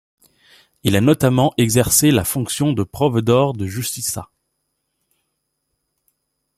Il a notamment exercé la fonction de Provedor de Justiça.